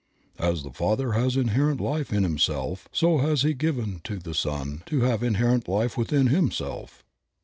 "As the Father has inherent life in himself, so has he given to the Son to have inherent life within himself.